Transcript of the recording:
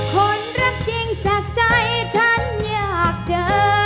คนรักจริงจากใจฉันอยากเจอ